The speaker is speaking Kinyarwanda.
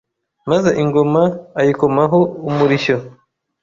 maze ingoma ayikomaho umurishyo